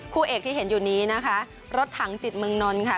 คู่เอกที่เห็นอยู่นี้นะคะรถถังจิตเมืองนนท์ค่ะ